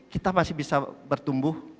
kita masih bisa bertumbuh